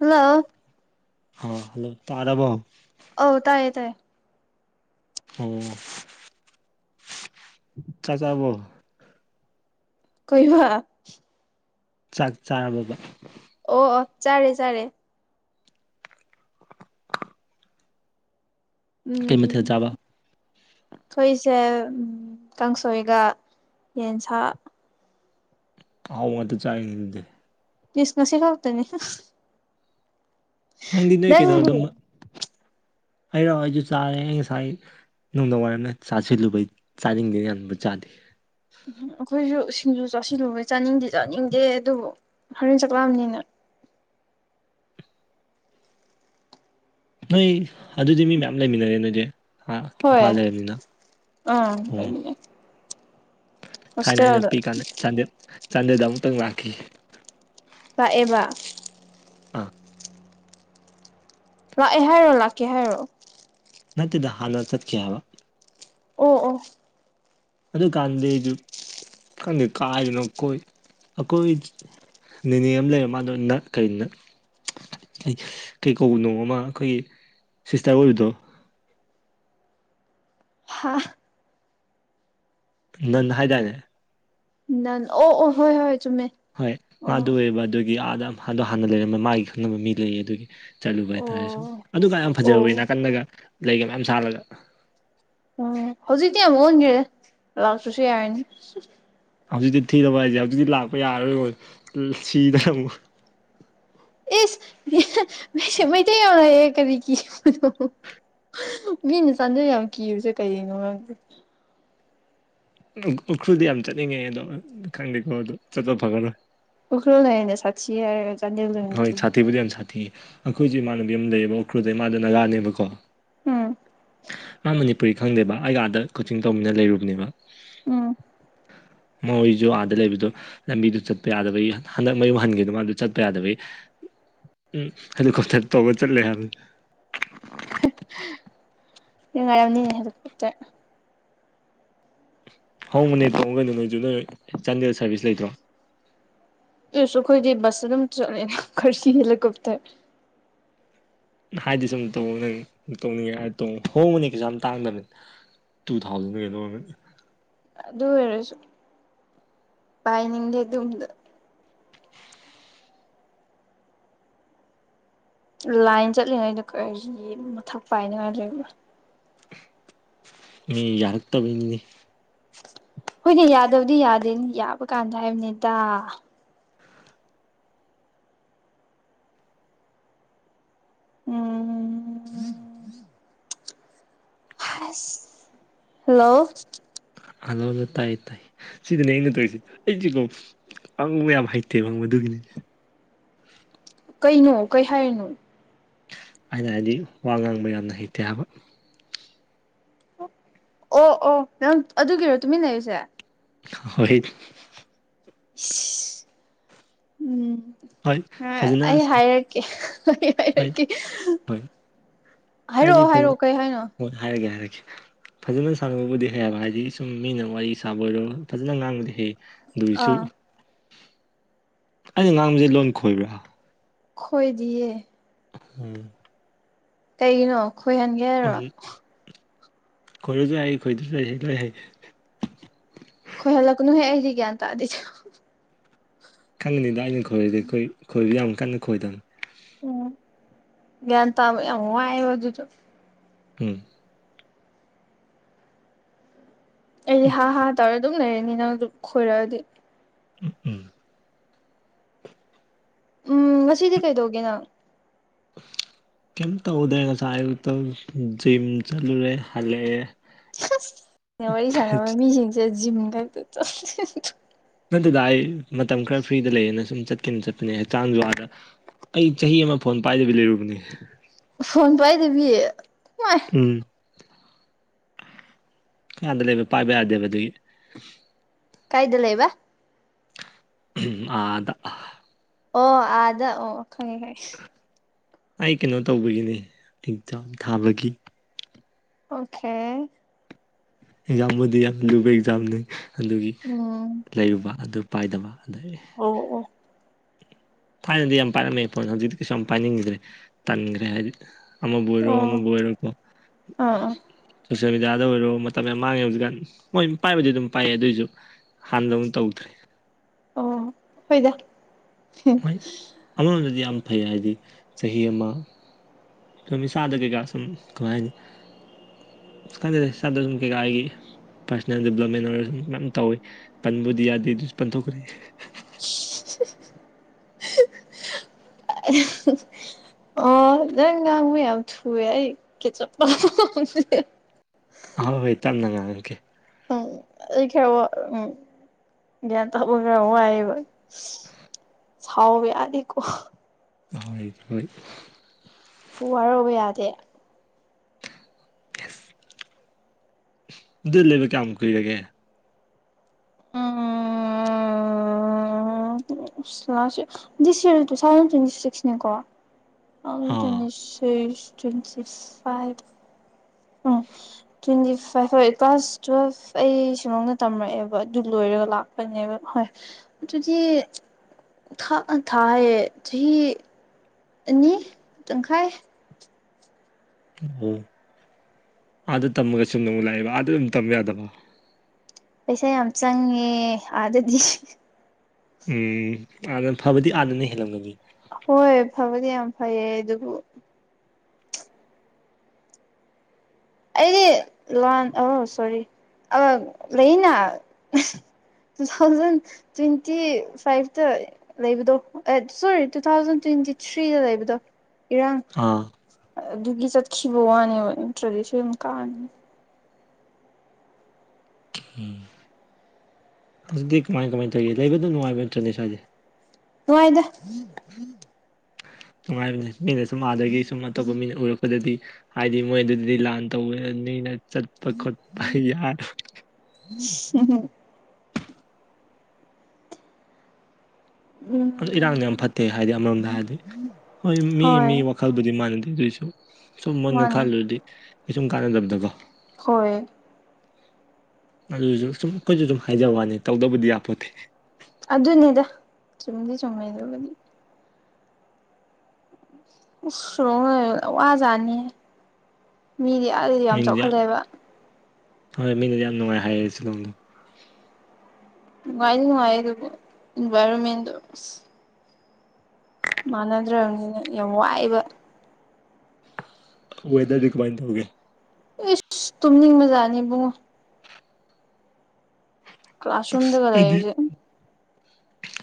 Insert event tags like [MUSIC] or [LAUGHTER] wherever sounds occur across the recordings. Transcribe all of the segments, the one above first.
Hello hello hello ꯇꯥꯔꯔꯕꫭ ꯑꯧ ꯇꯥꯏꯌꯦ ꯇꯥꯏꯌꯦ ꯑꯣ ꯆꯥꯛ ꯆꯔꯥꯕꫭ ꯀꯩꯏꯕ ꯆꯥꯛ ꯆꯥꯔꯕꫭꯕ ꯑꯣ ꯑꫭ ꯆꯔꯦ ꯆꯔꯦ ꯀꯩꯃꯊ‌ꯦꯜ ꯎꯝ ꯆꯥꯕ ꯑꯩꯈꯣꯏꯁꯦ ꯀꯥꯡꯁꯣꯏꯒ ꯌꯦꯟꯁꯥ ꯑꯥꯍꯥꯎꯕ ꯉꯛꯇꯥ ꯆꯥꯏꯅꯤ ꯑꯗꯨꯗꯤ ꯏꯤꯁ ꯉꯁꯤ ꯈꯛꯇꯅꯤ ꯅꯪꯗꯤ ꯅꯣꯏ ꯀꯩꯅꯣ ꯑꯗꯨꯝꯃ ꯑꯩꯔꫭ ꯑꯩꯖꯨ ꯆꯥꯔꯦ ꯉꯁꯥꯏ ꯅꯨꯡꯗꯥꯡ ꯋꯥꯏꯔꯝꯗ ꯆꯥꯁꯤꯜꯂꯨꯕꯩ ꯆꯥꯅꯤꯡꯗꯦꯅ ꯌꯥꯝꯕꯨ ꯆꯥꯗꯦ ꯎꯝ ꯑꯩꯈꯣꯏꯁꯨ ꯁꯤꯡꯖꯨ ꯆꯥꯁꯤꯜꯂꯨꯕꯩ ꯆꯥꯅꯤꯡꯗꯤ ꯆꯥꯅꯤꯡꯗꯦ ꯑꯗꯨꯕꯨ ꯍꯣꯔꯦꯟ ꯆꯥꯛꯂꯥꯝꯅꯤꯅ [INAUDIBLE] ꯅꯣꯏ ꯑꯗꯨꯗꯤ ꯃꯤ ꯃꯌꯥꯝ ꯂꯩꯃꯤꯟꯅꯔꯦ ꯅꯣꯏꯗꯤ ꯍꯥ ꯍꯣꯏ ꯏꯝꯐꯥꯜ ꯂꯩꯔꯕꯅꯤꯅ ꯑꯥ ꯑꯣ ꯂꯩꯃꯤꯟꯅꯩ ꯊꯥꯏꯅ ꯑꯩꯅ ꯍꯣꯁꯇꯦꯜꯗ ꯄꯤꯛꯏꯤꯀꯥꯟꯗ ꯆꯥꯟꯗꯦꯜꯗ ꯑꯃꯨꯛꯇꯪ ꯂꯥꯛꯈꯤ ꯂꯥꯛꯑꯦꯕ ꯑꯥ ꯂꯥꯛꯑꯦ ꯍꯥꯏꯔꯣ ꯂꯥꯛꯀꯦ ꯍꯥꯏꯔꫭ ꯅꯠꯇ‌ꯦꯗ ꯍꯥꯟꯅ ꯆꯠꯈꯤ ꯍꯥꯏꯕ ꯑꫭ ꯑꫭ ꯑꯗꯨ ꯀꯥꯟꯗꯗꯤ ꯑꯩꯖꯨ ꯈꯪꯗ‌ꯦ ꯀꯥꯏꯗꯅꫭ ꯀꯣꯏ ꯑꯀꯣꯏ ꯅꯦꯅꯦ ꯑꯃ ꯂꯩꯔꯝ ꯃꯥꯗꯣ ꯅ ꯀꯔꯤ ꯅ ꯀꯩ ꯀꯩ ꯀꯧꯕꯅꯣ ꯑꯃꯥ ꯑꯩꯈꯣꯏꯒꯤ ꯁꯤꯁꯇꯔ ꯑꯣꯏꯕꯗꯣ ꯍꯥ ꯅ‌ꯦꯟ ꯍꯥꯏꯗꯥꯏꯅꯦ ꯅ‌ꯦꯟ ꯑꯣ ꯑꯣ ꯍꯣꯏ ꯍꯣꯏ ꯆꯨꯝꯃꯦ ꯍꯣꯏ ꯃꯥꯗꫭ ꯑꯣ ꯑꯣꯏꯕ ꯑꯗꯨꯒꯤ ꯑꯥꯗ ꯑꯗꯣ ꯍꯥꯟꯅ ꯂꯩꯔꯝꯕ ꯃꯥꯒꯤ ꯈꯪꯅꯕ ꯃꯤ ꯂꯩꯌꯦ ꯑꯗꯨꯒꯤ ꯆꯠꯂꯨꯕ ꯑꯣ ꯍꯥꯏꯇꯥꯔꯦ ꯁꯨꯝ ꯑꯗꯨ ꯀꯥꯟ ꯌꯥꯝ ꯑꯣ ꯐꯖꯍꯧꯋꯤ ꯅꯥꯀꯟꯗꯒ ꯂꯩꯒ ꯃꯌꯥꯝ ꯁꯥꯠꯂꯒ ꯎꯝ ꯍꯧꯖꯤꯛꯇꯤ ꯌꯥꯝ ꯑꫭꯟꯒꯔ‌ꯦꯗꯥ ꯂꯥꯛꯇꯔꯥꯁꯨ ꯌꯥꯔꯅꯤ ꯍꯧꯖꯤꯛꯇꯤ ꯊꯤꯅꯕ ꯍꯥꯏꯁꯦ ꯍꯧꯖꯤꯛꯇꯤ ꯂꯥꯛꯄ ꯌꯥꯔꯔꯣꯏꯔꯣꯏ ꯁꯤꯗꯅ ꯑꯃꯨꯛ ꯑꯦꯅ ꯀꯔꯤ ꯃꯤꯅ ꯆꯥꯟꯗ ꯌꯥꯝ ꯀꯤꯔꯨꯁꯦ ꯀꯩꯅꯣ ꯃꯔꯪꯗꯦ ꯎꯈ꯭ꯔꯨꯜꯗꯤ ꯌꯥꯝ ꯆꯠꯅꯤꯡꯉꯦ ꯑꯗꯣ ꯈꯪꯗꯦꯀꯣ ꯑꯗꯨ ꯆꯠꯄ ꯐꯒꯔꯣꯏ ꯑꯣꯈꯔꯣ ꯂꯩꯥꯏꯅꯦ ꯁꯥꯁꯤ ꯍꯣꯏ ꯁꯥꯊꯤꯕꯨꯗꯤ ꯌꯥꯝ ꯁꯥꯊꯤ ꯑꯩꯈꯣꯏꯁꯨꯦ ꯏꯃꯥꯟꯅꯕꯤ ꯑꯃ ꯂꯩꯌꯦꯕ ꯎꯈ꯭ꯔꯨꯗ ꯏꯃꯥꯗ ꯅꯥꯒꯥꯅꯦꯕꯀꯣ ꯎꯝ ꯃꯥ ꯃꯅꯤꯄꯨꯔꯤ ꯈꯪꯗꯦꯕ ꯑꯩ ꯑꯥꯗ ꯀꯣꯆꯤꯡ ꯇꯧꯅꯤꯅ ꯂꯩꯔꯨꯕꯅꯦꯕ ꯎꯝ ꯃꯣꯏꯁꯨ ꯑꯥꯗ ꯂꯩꯕꯗꯣ ꯂꯝꯕꯤꯗꯨ ꯆꯠꯄ ꯌꯥꯗꯕꯩ ꯍꯟꯗꯛ ꯃꯌꯨꯝ ꯍꯟꯒꯦꯗ ꯃꯥꯗ ꯆꯠꯄ ꯌꯥꯗꯕꯩ ꯎꯝ ꯑꯗꯨ ꯈ ꯇꯧꯕ ꯆꯠꯂꯦ ꯍꯥꯏꯕ ꯏ ꯉꯅꯤꯇꯦ ꯍꯣꯡꯕꯅꯦ ꯐꯣꯡ ꯀꯩꯅꯣ ꯅꯣꯏꯁꯨ ꯅꯣꯏ ꯆꯥꯟꯗꯦꯜ ꯁꯥꯔꯚꯤꯁ ꯂꯩꯇ꯭ꯔꯣ ꯁꯨꯈꯣꯏꯗꯤ ꯁꯅꯝ ꯆꯦ ꯀꯁꯤꯂ ꯀꯇꯦ ꯍꯥꯏꯗꯤ ꯁꯨꯝ ꯇꯧ ꯇꯧꯅꯤꯡꯉꯦ ꯇꯣꯡ ꯍꯣꯡꯕꯅꯤ ꯀꯩꯁꯨ ꯌꯥꯝ ꯇꯥꯡꯗꯕꯅ ꯇꯨ ꯊꯥꯎꯖꯟ ꯀ ꯑꯗꯨ ꯑꯣꯏꯔꯁꯨ ꯄꯥꯏꯅꯤꯡꯗꯦ ꯑꯗꯨꯝꯗ ꯂꯥꯏꯟ ꯆꯠꯂꯤꯉꯩꯗ ꯀꯔꯤ ꯃꯊꯛ ꯄꯥꯏꯅꯤꯉꯥꯏ ꯂꯩꯕꯥ ꯃꯤ ꯌꯥꯔꯛ ꯇꯕꯗꯤ ꯍꯣꯏꯅꯦ ꯌꯥꯗꯕꯗꯤ ꯌꯥꯗꯦ ꯌꯥꯕ ꯀꯥꯟꯗ ꯍꯥꯏꯕꯅꯦꯗ ꯎꯝ ꯍꯜꯂꯣ ꯑꯜꯂꯣꯣ ꯇꯥꯏꯌꯦ ꯇꯥꯏꯌꯦ ꯁꯤꯗꯅꯦ ꯑꯩꯅ ꯇꯧꯔꯤꯁꯤ ꯑꯩꯁꯤꯀꯣ ꯑꯪꯕ ꯌꯥꯝ ꯍꯩꯇꯦ ꯃꯪꯕꯗꯨꯒꯤꯅꯤ [UNINTELLIGIBLE] ꯀꯩꯅꯣ ꯀꯩ ꯍꯥꯏꯔꯤꯅꯣ ꯑꯩꯅ ꯍꯥꯏꯗꯤ ꯋꯥ ꯉꯥꯡꯕ ꯌꯥꯝꯅ ꯍꯩꯇꯦ ꯍꯥꯏꯕ ꯑꯣ ꯑꯣ ꯅꯪ ꯑꯗꯨꯒꯤꯔꯣ ꯇꯨꯃꯤꯟꯅꯔꯤꯁꯦ ꯍꯣꯏ ꯍꯣꯏ ꯎꯝ ꯑ ꯐꯖꯅ ꯑꯩ ꯍꯥꯏꯔꯛꯀꯦ ꯑꯩ ꯍꯣꯏ ꯍꯥꯏꯔꯛꯀꯦ ꯍꯣꯏ ꯍꯥꯏꯗꯤ ꯍꯥꯏꯔꯛꯑꯣ ꯐꯖꯅ ꯍꯥꯏꯔꯛꯑꯣ ꯀꯩ ꯍꯥꯏꯅꯣ ꯍꯣꯏ ꯍꯥꯏꯔꯒꯦ ꯍꯥꯏꯔꯒꯦ ꯐꯖꯅ ꯁꯥꯟꯅꯕꯕꯨꯗꯤ ꯍꯩꯕ ꯍꯥꯏꯗꯤ ꯁꯨꯝ ꯃꯤꯅ ꯋꯥꯔꯤ ꯁꯥꯕ ꯑꯣꯏꯔꯣ ꯐꯖꯅ ꯉꯥꯡꯕꯗꯤ ꯍꯩ ꯑꯗꯨꯏꯁꯨ ꯑꯥ ꯑꯩꯅ ꯉꯥꯡꯕꯁꯦ ꯂꯣꯟ ꯈꯣꯏꯕ꯭ꯔꯥ ꯈꯣꯏꯗꯤꯌꯦ ꯎꯝ ꯀꯩꯒꯤꯅꯣ ꯈꯣꯏꯍꯟꯒꯦ ꯍꯣꯏ ꯍꯥꯏꯔꯕ ꯈꯣꯏꯔꯁꯨ ꯍꯥꯏ ꯈꯣꯏꯗꯁꯨ ꯂꯣꯏ ꯍꯥꯏ ꯌꯥ ꯇꯗꯤ ꯈꯪꯉꯅꯤꯗ ꯑꯩꯅ ꯈꯣꯏꯔꯗꯤ ꯑꯩꯣꯏ ꯈꯣꯏꯕ ꯌꯥꯝ ꯀꯟꯅ ꯈꯣꯏꯗꯕꯅꯤ ꯎꯝ ꯌꯥꯟ ꯇꯨ ꯍꯥꯏꯕꯗꯨꯗ ꯎꯝ ꯑꯩꯗꯤ ꯍꯥ ꯍꯥ ꯇꯧꯔ ꯑꯗꯨꯝ ꯂꯩꯔꯅꯤ ꯅꯪ ꯑꯗꯨꯝ ꯈꯣꯏꯔꯛꯑꯗꯤ ꯎꯝ ꯎꯝ ꯎꯝ ꯉꯁꯤꯗꯤ ꯀꯩꯗꯧꯒꯦ ꯅꯪ ꯀꯩꯝ ꯇꯧꯗ꯭ꯔꯦ ꯉꯁꯥꯏ ꯑꯌꯨꯛꯇ ꯖꯤꯝ ꯆꯠꯂꯨꯔꯦ ꯍꯜꯂꯛꯑꯦ ꯋꯥꯔꯤ ꯁꯥꯟꯅꯕ ꯃꯤꯁꯤꯡꯁꯦ ꯖꯤꯝ ꯈꯛꯇ ꯆ ꯗꯨꯗ ꯑꯩ ꯃꯇꯝ ꯈꯔ ꯐ꯭ꯔꯤꯗ ꯂꯩꯌꯦꯅ ꯁꯨꯝ ꯆꯠ ꯆꯀꯤ ꯆꯠꯄꯅꯦ ꯍꯛꯆꯥꯡ ꯖꯋꯥꯗ ꯑꯩ ꯆꯍꯤ ꯑꯃ ꯐꯣꯟ ꯄꯥꯏꯗꯕꯤ ꯂꯩꯔꯨꯕꯅꯦ ꯐꯣꯟ ꯄꯥꯏꯗꯕꯤ ꯃꯥꯏ ꯎꯝ ꯑꯗ ꯂꯩꯕ ꯄꯥꯏꯕ ꯌꯥꯗꯦꯕ ꯑꯗꯨꯒꯤ ꯀꯥꯏꯗ ꯂꯩ ꯏꯕ ꯑꯗ ꯑꯣ ꯑꯥꯗ ꯑꯣ ꯈꯪꯉꯦ ꯈꯪꯉꯦ ꯑꯩ ꯀꯩꯅꯣ ꯇꯧꯕꯒꯤꯅꯦ ꯂꯖꯥꯎ ꯊꯥꯕꯒꯤ ꯑꯣꯀꯦ ꯑꯦꯛꯖꯥꯝꯕꯨꯗꯤ ꯌꯥꯝ ꯂꯨꯕ ꯑꯦꯛꯖꯥꯝꯅꯤ ꯑꯗꯨꯒꯤ ꯎꯝ ꯂꯩꯔꯨꯕ ꯑꯗꯨ ꯄꯥꯏꯗꯕ ꯑꯗꯩ ꯑꯣ ꯑꯣ ꯊꯥꯏꯅꯗꯤ ꯌꯥꯝ ꯄꯥꯏꯔꯝꯃꯦ ꯐꯣꯟ ꯍꯧꯖꯤꯛꯇꯤ ꯀꯩꯁꯨ ꯌꯥꯝ ꯄꯥꯏꯅꯤꯡꯈꯤꯗ꯭ꯔꯦ ꯇꯟꯈ꯭ꯔꯦ ꯍꯥꯏꯗꯤ ꯑꯃ ꯣꯏꯔ ꯑꯣ ꯑꯥ ꯑꯃ ꯣꯏꯔ ꯀ ꯑꯥ ꯁꯣꯁꯦꯜ ꯃꯦꯗꯤꯌꯥꯗ ꯑꯣꯏꯔꯣ ꯃꯇꯝ ꯌꯥꯝ ꯃꯥꯡꯉꯦ ꯍꯧꯖꯤꯛꯀꯥꯟ ꯍꯣꯏ ꯄꯥꯏꯕꯗꯤ ꯑꯗꯨꯝ ꯄꯥꯏꯌꯦ ꯑꯗꯨꯑꯣꯏꯁꯨ ꯍꯥꯟꯅꯅ ꯇꯧꯗ꯭ꯔꯦ ꯑꯣ ꯍꯣꯏꯗ ꯣꯏ ꯑꯃꯔꯣꯝꯗꯗꯤ ꯌꯥꯝ ꯐꯩ ꯍꯥꯏꯗꯤ ꯆꯍꯤ ꯑꯃ ꯀꯃꯤ ꯁꯥꯗꯒꯦꯀ ꯁꯨꯝ ꯀꯃꯥꯏꯅꯤ ꯀꯗꯗꯦ ꯁꯥꯒꯒꯤ ꯄꯥꯔꯁꯣꯅꯦꯜ ꯗꯦꯕꯂꯞꯃꯦꯟ ꯑꯣꯏꯔꯁꯨ ꯃꯌꯥꯝ ꯇꯧꯋꯤ ꯄꯟꯕꯨꯗꯤ ꯌꯥꯗꯦ ꯑꯗꯨꯁꯨ ꯄꯟꯊꯣꯛꯈ꯭ꯔꯦ [INAUDIBLE] ꯑ ꯑꯣ ꯌꯥꯝ ꯉꯥꯎ ꯌꯥꯝ ꯊꯦ ꯆꯄꯜ ꯑꯣꯏ ꯍꯣꯏ ꯇꯥꯟꯅꯉꯥꯡꯒꯦ ꯎꯝ ꯑꯩ ꯈꯦꯣ ꯎꯝ ꯌꯥ ꯇꯒꯔ ꯋꯥ ꯊꯥꯎ ꯌꯥꯅꯤ ꯀ ꯑꯍꯣꯏꯗꯣꯏ ꯎ ꯋꯥꯔꯕ ꯌꯥꯗꯦ ꯑꯗꯨ ꯂꯩꯕ ꯀꯌꯥꯝ ꯀꯨꯏꯔꯒꯦ ꯎꯝ ꯑ this year two thousand twenty ꯁꯤꯛꯁꯅꯦꯀꯣ ꯑꯥ ꯇ꯭ꯋꯦꯟꯇꯦꯁ ꯇ꯭ꯋꯦꯟꯇꯤ ꯁꯤ ꯐꯥꯏꯚ ꯎꯝ ꯇ꯭ꯋꯦꯟꯇꯤ ꯐꯥꯏꯚ ꯍꯣꯏ ꯀ꯭ꯂꯥꯁ ꯇꯨꯋꯦꯜ ꯑꯩ ꯁꯨꯂꯅ ꯇꯝꯃꯛꯛꯑꯦꯕ ꯑꯗꯨꯣꯏ ꯔ ꯂꯥꯛꯄꯅꯦꯕ ꯍꯣꯏ ꯑꯗꯨꯗꯤ ꯊꯥ ꯊꯥ ꯍ ꯆꯍꯤꯍꯤ ꯏ ꯅꯈꯥꯏ ꯑꯣ ꯑꯥꯗ ꯇꯝꯃꯒ ꯁꯨꯝ ꯅ ꯑꯃꯨꯛ ꯂꯥꯛꯑꯦꯕ ꯑꯥꯗ ꯑꯗꯨꯝ ꯇꯝ ꯌꯥꯗꯕ ꯄꯩꯁꯥ ꯌꯥꯝ ꯆꯪꯉꯦ ꯑꯥꯗꯗꯤ ꯎꯝ ꯑꯥꯗꯅ ꯐꯕꯗꯤ ꯍꯥꯟꯅꯅ ꯍꯦꯜꯂꯝꯒꯅꯤ ꯍꯣꯏ ꯐꯕꯗꯤ ꯌꯥꯝ ꯐꯩꯌꯦ ꯑꯗꯨꯕꯨ ꯑꯩꯗꯤ ꯂꯥꯟ ꯑ ꯁꯣꯔꯤ ꯂꯩꯅ ꯇꯨ ꯊꯥꯎꯖꯟ ꯇ꯭ꯋꯦꯟꯇꯤ ꯐꯥꯏꯚꯇ ꯂꯩꯕꯗꯣ ꯁꯣꯔꯤ ꯇꯨ ꯊꯥꯎꯖꯟ ꯇ꯭ꯋ ꯁ꯭ꯔꯤꯗꯗꯕꯗ ꯑꯥ ꯑꯗꯨꯒꯤ ꯆꯠꯈꯤꯕ ꯋꯥꯅꯦꯕ ꯅꯇ꯭ꯔꯗꯤꯁꯨ ꯌꯥꯝ ꯀꯥꯅꯤ ꯍꯧꯖꯤꯤ ꯀꯃꯥꯏ ꯀꯃꯥꯏꯅ ꯇꯧꯔꯤ ꯂꯩꯕꯗꯣ ꯅꯨꯡꯉꯥꯏꯕ ꯅꯠꯇ꯭ꯔꯅꯤ ꯏꯁꯋꯥꯏꯦ ꯇꯨꯡꯥꯏꯗ ꯅꯨꯡꯉꯥꯏꯕꯅꯦ ꯃꯤꯅ ꯁꯨꯝ ꯑꯥꯗꯒꯤ ꯁꯨꯝ ꯑꯇꯣꯞꯄ ꯃꯤꯅ ꯎꯔꯛꯄꯗꯗꯤ ꯍꯥꯏꯗꯤ ꯃꯣꯏꯗꯨꯗꯗꯤ ꯂꯥꯟ ꯇꯧꯋꯦ ꯅꯅ ꯆꯠꯄ ꯈꯣꯠꯄ ꯌꯥꯔꯣꯏ ꯍꯝꯝ ꯑ ꯏꯔꯥꯡꯅ ꯌꯥꯝ ꯎꯝ ꯐꯠꯇꯦ ꯍꯥꯏꯗꯤ ꯑꯃꯔꯣꯝꯗ ꯍꯥꯏꯔꯗꯤ ꯍꯣꯏ ꯃꯤ ꯃꯤ ꯍꯣꯏ ꯋꯥꯈꯜꯕꯨꯗꯤ ꯃꯥꯟꯅꯗꯦ ꯑꯗꯨꯏꯁꯨ ꯁꯨꯝ ꯃꯨꯟꯅ ꯃꯥꯅꯦ ꯈꯜꯂꯗꯤ ꯀꯩꯁꯨꯝ ꯀꯥꯟꯅꯗꯕꯗꯀꯣ ꯍꯣꯏ ꯑꯗꯨꯁꯨ ꯁꯨꯝ ꯑꯩꯈꯣꯏꯁꯨ ꯁꯨꯝ ꯍꯥꯏꯖꯕ ꯋꯥꯅꯤ ꯇꯧꯗꯕꯨꯗꯤ ꯌꯥꯄꯣꯠꯇꯦ꯫ ꯑꯗꯨꯅꯤꯗ ꯆꯨꯝꯗꯤ ꯆꯨꯝꯏ ꯗꯨꯕꯨꯗꯤ꯫ ꯨꯑꯁ ꯔꫭꯡꯍꯦ ꯋꯥꯖꯅꯤ꯫ ꯃꯤꯗꯤ ꯑꯥꯗꯗꯤ ꯌꯥꯝ ꯆꯥꯎꯈꯠꯂꯦꯕ꯫ ꯍꯣꯏ ꯃꯤꯅꯗꯤ ꯌꯥꯝ ꯅꯨꯡꯉꯥꯏ ꯍꯥꯏꯔꯛꯦ ꯁꯤꯂꯣꯡꯗꯣ꯫ ꯅꯨꯡꯉꯥꯏꯗꯤ ꯅꯨꯡꯉꯥꯏ ꯑꯗꯨꯕꯨ ꯏꯟꯚꯥꯏꯔꫭꯃꯦꯟꯗꫭ꯫ ꯃꯥꯟꯅꯗ꯭ꯔꯕꯅꯤꯅ ꯌꯥꯝ ꯋꯥꯑꯦꯕ꯫ ꯋꯦꯗꯔꯗꯤ ꯀꯃꯥꯏ ꯗꯧꯒꯦ꯫ ꯏꯁ ꯇꯨꯝꯅꯤꯡꯕꯖꯥꯠꯅꯤ ꯏꯕꯨꯡꯉꯣ꯫ ꯀ꯭ꯂꯥꯁꯔꯨꯝꯗꯒ ꯑꯩꯗꯤ ꯂꯩꯕꯁꯦ꯫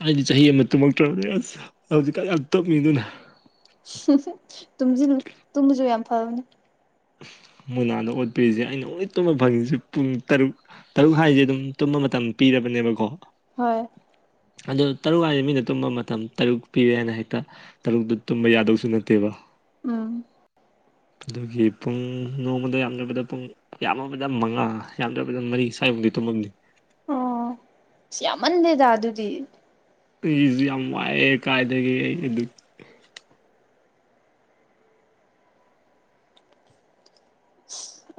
ꯑꯩꯗꯤ ꯆꯍꯤ ꯑꯃ ꯇꯨꯝꯃꯛꯇ꯭ꯔꯕꯅꯤ ꯑꯁ ꯍꯧꯖꯤꯛꯀꯥꯟ ꯌꯥꯝ ꯇꯞꯃꯤ ꯑꯗꯨꯅ꯫ ꯇꯨꯝꯁꯤꯜꯂꯨ ꯇꯨꯝꯕꯁꯨ ꯌꯥꯝ ꯐꯕꯅꯤ꯫ [UNINTELLIGIBLE] ꯃꯨꯅꯥꯗ ꯑꯣꯠꯄꯤꯔꯤꯁꯦ ꯑꯩꯅ ꯑꯣꯡꯂꯤ ꯇꯨꯝꯕ ꯐꯪꯏꯁꯦ ꯄꯨꯡ ꯇꯔꯨꯛ ꯇꯔꯨꯛ ꯍꯥꯏꯁꯦ ꯑꯗꯨꯝ ꯇꯨꯝꯕ ꯃꯇꯝ ꯄꯤꯔ ꯕꯅꯦꯕꯀꫭ ꯍꯣꯏ꯫ ꯑꯗꯨ ꯇꯔꯨꯛ ꯍꯥꯏꯗꯤ ꯃꯤꯅ ꯇꯨꯝꯕ ꯃꯇꯝ ꯇꯔꯨꯛ ꯄꯤꯔꯦ ꯍꯥꯏꯅ ꯍꯦꯛꯇ ꯇꯔꯨꯛꯇ ꯇꯨꯝꯕ ꯌꯥꯗꯧꯁꯨ ꯅꯠꯇꯦꯕ꯫ ꯎꯝ꯫ ꯑꯗꯨꯒꯤ ꯄꯨꯡ ꯅꯣꯡꯃꯗ ꯌꯥꯝꯗ꯭ꯔꯕꯗ ꯄꯨꯡ ꯌꯥꯝꯑꯕꯗ ꯃꯉꯥ ꯌꯥꯝꯗ꯭ꯔꯕꯗ ꯃꯔꯤ ꯁꯥꯏ ꯇꯨꯝꯗꯤ ꯇꯨꯝꯑꯝꯅꯤ꯫ ꯑꯣ ꯁ ꯌꯥꯃꯟꯗꯦꯗ ꯑꯗꯨꯗꯤ꯫ ꯑꯩꯁꯨ ꯌꯥꯝ ꯋꯥꯏꯑꯦ ꯀꯥꯏꯗꯒ ꯑꯩ ꯑꯗꯨ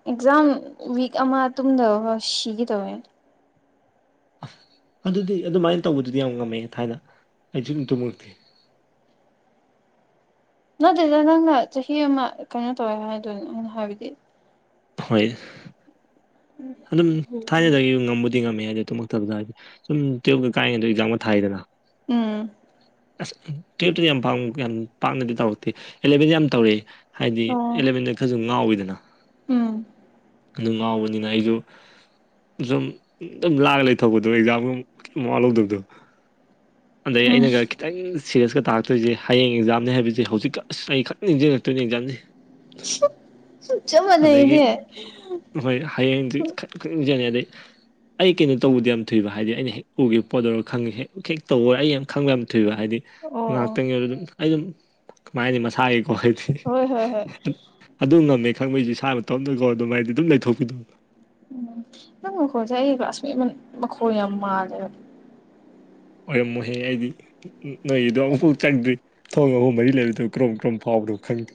ꯑꯦꯛꯖꯥꯝ ꯋꯤꯛ ꯑꯃ ꯇꯨꯝꯗꯕ ꯁꯤꯒꯦ ꯇꯧꯋꯦ꯫ ꯑꯁ ꯑꯗꯨꯗꯤ ꯑꯗꯨꯃꯥꯏꯅ ꯇꯧꯕꯗꯨꯗꯤ ꯌꯥꯝ ꯉꯝꯃꯦ ꯊꯥꯏꯅ ꯑꯩꯁꯨꯨꯝ ꯇꯨꯝꯃꯨꯔꯛꯇꯦ꯫ [UNINTELLIGIBLE] ꯅꯠꯇꯦꯗ ꯅꯪꯅ ꯆꯍꯤ ꯑꯃ ꯀꯩꯅꯣ ꯇꯧꯋꯦ ꯍꯥꯏꯗꫭ ꯑꯩꯅ ꯍꯥꯏꯕꯗꯤ ꯍꯣꯏ ꯑꯗꯨꯝ ꯊꯥꯏꯅꯗꯒꯤ ꯉꯝꯕꯨꯗꯤ ꯉꯝꯃꯦ꯫ ꯑꯗꯨ ꯇꯨꯝꯃꯛꯇꯕꯗ ꯍꯥꯏꯗꯤ ꯁꯨꯝ ꯇꯨꯌꯦꯞ ꯀꯥꯏꯉꯩꯗ ꯑꯦꯛꯖꯥꯝꯒ ꯊꯥꯏꯗꯅ꯫ ꯎꯝ꯫ ꯑꯁ ꯇꯨꯑꯦꯞꯇꯗꯤ ꯌꯥꯝ ꯄꯥꯡ ꯌꯥꯝ ꯄꯥꯛꯅꯗꯤ ꯇꯧꯔꯛꯇꯦ ꯑꯦꯂꯚꯦꯟꯗ ꯌꯥꯝ ꯇꯧꯔꯛꯦ꯫ ꯍꯥꯏꯗꯤ ꯑꯣ ꯑꯦꯂꯚꯦꯟꯗ ꯈꯔꯁꯨ ꯉꯥꯎꯋꯤꯗꯅ꯫ ꯎꯝ꯫ ꯑꯗꯨ ꯉꯥꯎꯕꯅꯤꯅ ꯑꯩꯁꯨ ꯁꯨꯝ ꯑꯗꯨꯝ ꯂꯥꯛꯑꯒ ꯂꯩꯊꯄꯗꯣ ꯑꯦꯛꯖꯥꯝꯒꯨꯝ ꯀꯩꯝ ꯃꯋꯥ ꯂꯧꯗꯕꯗꯣ꯫ ꯑꯗꯒꯤ ꯎꯝ ꯑꯩꯅꯒ ꯈꯤꯇꯪ ꯁꯤꯔꯤꯌꯁꯀ ꯇꯥꯔꯛꯇꯣꯏꯁꯦ ꯍꯌꯦꯡ ꯑꯦꯛꯖꯥꯝꯅꯤ ꯍꯥꯏꯕꯁꯦ ꯍꯧꯖꯤꯛꯀ ꯑꯁ ꯑꯩ ꯈꯛ ꯅꯤꯡꯁꯪꯉꯛꯇꯣꯏꯅꯤ ꯑꯦꯛꯖꯥꯝꯁꯤ꯫ ꯆꯞ ꯃꯥꯅꯩꯅꯦ꯫ ꯍꯣꯏ ꯍꯌꯦꯡꯗꯤ [UNINTELLIGIBLE] ꯖꯥꯅꯤ ꯑꯗꯩ ꯑꯩ ꯀꯩꯅꯣ ꯇꯧꯕꯗꯤ ꯌꯥꯝ ꯊꯨꯏꯕ ꯍꯥꯏꯗꯤ ꯑꯩꯅ ꯍꯦꯛ ꯎꯈꯤꯕ ꯄꯣꯠ ꯑꯣꯏꯔꯒ ꯈꯪꯉꯦ ꯍꯦꯛ ꯍꯦꯛ ꯇꯧꯔꯣꯏ ꯑꯩ ꯌꯥꯝ ꯈꯪꯕ ꯌꯥꯝ ꯊꯨꯏ꯫ ꯊꯨꯏꯕ ꯍꯥꯏꯗꯤ ꯑꯣ ꯑꯣ ꯉꯥꯛꯇꯪꯒꯤ ꯑꯣꯏ ꯑꯗꯨꯝ ꯑꯩ ꯑꯗꯨꯝ ꯀꯃꯥꯏꯅ ꯍꯥꯏꯗꯤ ꯃꯁꯥꯒꯤ ꯑꫭ ꯍꯥꯏꯗꯤ ꯍꯣꯏ ꯍꯣꯏ ꯍꯣꯏ ꯑꯗꯨꯝ ꯉꯝꯃꯦ ꯈꯪꯕꯩꯁꯦ ꯁꯥ ꯃꯇꫭꯗꯀꯣ ꯑꯗꯨꯃꯥꯏ ꯎꯝ ꯅꯪ ꯅꯈꫭꯟꯖꯦ ꯑꯩ ꯀ꯭ꯂꯥꯁꯃꯦꯠ ꯃꯟ ꯃꯈꯣꯜ ꯌꯥꯝ ꯃꯥꯜꯂꯦꯕ꯫ ꯑꯣꯏꯔꯝꯃꯨꯍꯦ ꯑꯩꯗꯤ ꯅꯣꯏꯗꯣ ꯑꯃꯨꯛꯐꯥꯎ ꯆꯪꯗ꯭ꯔꯤ ꯊꯣꯡ ꯑꯍꯨꯝ ꯃꯔꯤ ꯂꯩꯕꯗꯣ ꯀ꯭ꯔꯣꯝ-ꯀ꯭ꯔꯣꯝ ꯐꯥꯎ ꯗꫭ ꯈꯪꯗꯦ꯫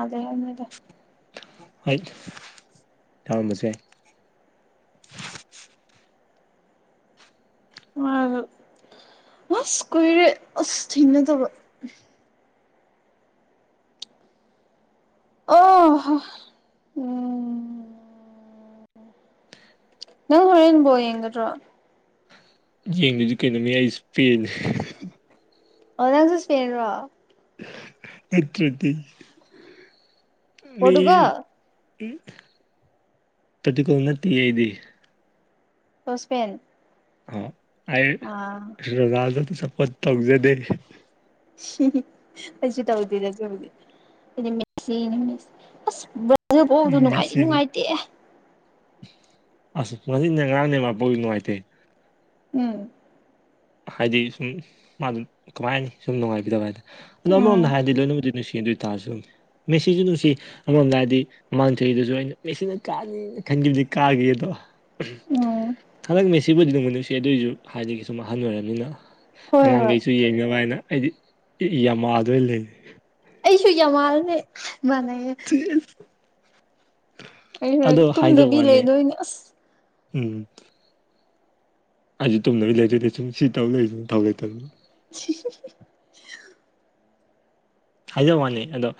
ꯑꯗꯦ ꯍꯥꯏꯕꯅꯤꯗ꯫ ꯍꯥꯏ ꯆꯥꯎꯔꯝꯑꯁꯨ ꯌꯥꯏ꯫ ꯑ ꯍꯁ ꯀꯨꯏꯔꯦ ꯑꯁ ꯊꯦꯡꯅꯗꯕ꯫ ꯑꫭꯍ ꯎꯝ ꯅꯪ ꯍꯣꯔꯦꯟ ꯕꯣꯜ ꯌꯦꯡꯒꯗ꯭ꯔꯣ꯫ ꯌꯦꯡꯗꯗꯤ ꯀꯩꯅꯣ ꯃꯌꯥꯏꯁꯤ ꯄꯦꯜꯂꯤꯦ ꯑꯥꯡ ꯆꯁꯄꯤꯦꯟ꯭ꯔ ꯅꯠꯇꯗꯤ ꯃꯤ ꯄꯣꯔꯇꯨꯒꯜ ꯄꯗꯨꯀꯣꯟꯅꯇꯤ ꯑꯩꯗꯤ ꯑꯣꯣꯁꯄꯦꯟ ꯑ ꯑ ꯔꯗ ꯇꯁ ꯄꯊꯖꯗꯦ ꯑꯩꯁꯨ ꯇꯧꯗꯦꯗꯁꯨꯧꯗꯦ ꯑꯁ ꯑꯗꯨ ꯄꯣꯛꯎꯗ ꯎꯝ ꯅꯨꯡꯉꯥꯏꯗꯤ ꯃꯦꯁꯤꯅꯤ ꯅꯨꯡꯉꯥꯏꯇꯦꯦ ꯑꯁ ꯃꯅꯦ ꯉꯔꯥꯡꯅꯦ ꯃꯥꯄꯥꯎ ꯅꯨꯡꯉꯥꯏꯇꯦ ꯎꯝ ꯍꯥꯏꯗꯤ ꯁꯨꯝ ꯃꯥꯗꯨ ꯀꯃꯥꯏꯅꯤ ꯁꯨꯝ ꯅꯨꯡꯉꯥꯏꯕꯤꯗꯕ ꯍꯥꯏꯗꯅ ꯑꯗꯣ ꯎꯝ ꯑꯃꯔꯣꯝꯗ ꯍꯥꯏꯔꯗꯤ ꯂꯣꯏꯅꯕꯨꯗꯤ ꯅꯨꯡꯁꯤ ꯑꯗꯨ ꯑꯣꯏꯇꯥꯔꯁꯨ ꯑꯗꯨꯝ ꯃꯦꯁꯤꯁꯨ ꯅꯨꯡꯁꯤ ꯑꯃꯔꯣꯝꯗ ꯍꯥꯏꯗꯤ ꯃꯃꯥꯡ ꯆꯍꯤꯗꯁꯨ ꯑꯩꯅ ꯃꯦꯁꯤꯅ ꯀꯥ ꯈ ꯍꯪꯗꯤ ꯀꯑꯒꯦꯗꯣ ꯎꯝ ꯍꯟꯗꯛꯅꯦ ꯁꯤꯕꯨꯗꯤ ꯅꯅꯨꯡꯃ ꯅꯨꯡꯁꯤ ꯑꯗꯨꯏꯁꯨ ꯍꯥꯏꯗꯤ ꯁꯨꯝ ꯑꯍꯜ ꯑꯣꯏꯔꯕꯔꯕꯅꯤꯅ ꯍꯣꯏ ꯍꯣꯏ ꯑꯉꯥꯡꯈꯩꯁꯨ ꯌꯦꯡꯅꯕ ꯍꯥꯏꯅ ꯑꯩꯗꯤ ꯌꯥꯝꯃꯛꯗꯣꯏꯅ ꯂꯩ ꯑꯩꯁꯨ ꯀ꯭ꯌꯥ ꯃꯥꯜꯅꯦ ꯃꯥꯅꯩꯌꯦ ꯑꯩ ꯑꯗꯣ ꯍꯥꯏꯖꯕ ꯇꯨꯝꯗꯕꯤ ꯋꯥꯅꯦ ꯂꯩꯗꯣꯏꯅꯦ ꯑꯁ ꯎꯝ ꯑꯩꯁꯨ ꯇꯨꯝꯗꯅꯕ ꯂꯩꯗꯣꯏ ꯂꯩꯁ ꯁꯤ ꯇꯧ ꯂꯩꯁꯅ ꯊꯧ ꯂꯩꯇꯕꯅꯤ [UNINTELLIGIBLE] ꯍꯥꯏꯖ ꯋꯥꯅꯤ ꯑꯗꯣ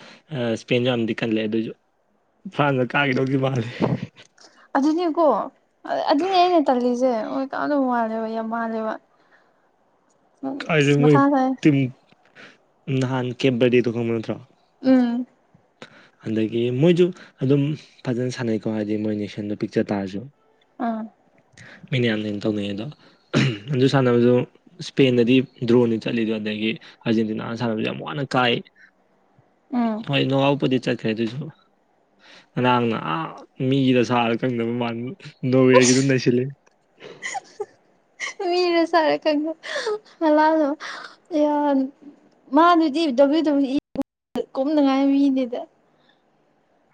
ꯏꯁꯄꯦꯟꯁꯨ ꯌꯥꯝꯗꯤ ꯀꯜꯂꯦ ꯑꯗꯨꯑꯣꯏꯁꯨ ꯐꯥꯟꯅ ꯀꯥꯈꯤꯗꯧꯗꯤ ꯃꯥꯜꯂꯦ ꯑꯗꯨꯅꯤꯀꯣ ꯑꯗꯨꯅꯤ ꯑꯩꯅ ꯇꯜꯂꯤꯁꯦ ꯍꯣꯏ ꯇꯗ ꯃꯥꯜꯂꯦꯕ ꯌꯥꯝ ꯃꯥꯜꯂꯦꯕ ꯀꯗ ꯑꯁ ꯃꯣꯏ ꯃꯊꯥ ꯁꯥꯏ ꯇꯝ ꯅꯍꯥꯟ ꯀꯦ ꯗꯤꯗ ꯈꯪꯗ꯭ꯔꯣ ꯎꯝ ꯑꯗꯒꯤ ꯃꯣꯏꯁꯨ ꯑꯗꯨꯝ ꯐꯖꯅ ꯁꯥꯟꯅꯩꯀꯣ ꯍꯥꯏꯗꯤ ꯃꯣꯏ ꯅꯦꯛꯁꯟꯗꯣ ꯄꯤꯛꯆ ꯇꯥꯔꯁꯨ ꯑꯥ ꯃꯤꯅꯦ ꯌꯥꯝꯟꯗꯩꯅ ꯇꯧꯅꯤꯡꯉ ꯑꯗꯣ ꯑꯗꯨꯪ ꯁꯥꯟꯅꯕꯗꯣ ꯏꯁꯄꯦꯟꯗꯗꯤ ꯗ꯭ꯔꯣꯟꯅꯤ ꯆꯠꯂꯤꯗꯣ ꯑꯗꯒꯤ ꯑꯥꯔꯖꯦꯟꯇꯤꯅꯥꯅ ꯁꯥꯟꯅꯕꯁꯨ ꯌꯥꯝ ꯋꯥꯅ ꯀꯥꯏ ꯎꯝ ꯍꯣꯏ ꯅ ꯑꯎ ꯄꯗꯤ ꯆꯈ꯭ꯔꯦꯗꯨꯖ ꯅꯅꯥꯥꯡꯅ ꯑꯥ ꯃꯤꯗ ꯁꯥꯔ ꯀꯪꯗꯕꯥꯟꯕ ꯅꯣꯋꯦꯜꯒꯤꯗꯨꯝ ꯅꯩꯁꯤꯂꯦ [UNINTELLIGIBLE] ꯔꯁꯔꯀ ꯍ ꯃꯥꯗꯨꯗꯤ ꯗꯕ꯭ꯂꯤꯎ ꯗꯕ꯭ꯂꯤꯎ ꯏ ꯀꯨꯝꯅꯉꯥꯏ ꯃꯤꯅꯦꯗ